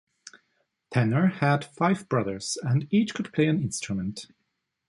Tanner had five brothers and each could play an instrument.